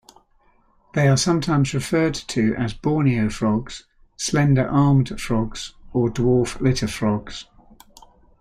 They are sometimes referred to as Borneo frogs, slender-armed frogs, or dwarf litter frogs.